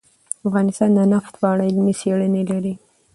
افغانستان د نفت په اړه علمي څېړنې لري.